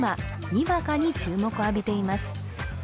にわかに注目を浴びています。